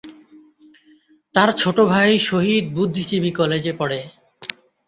তার ছোট ভাই শহীদ বুদ্ধিজীবী কলেজে পড়ে।